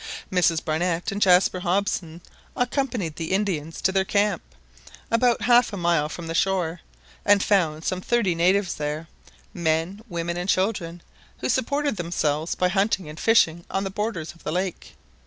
Mrs Barnett and Jaspar Hobson accompanied the Indians to their camp, about half a mile from the shore, and found some thirty natives there, men, women, and children, who supported themselves by hunting and fishing on the borders of the lake.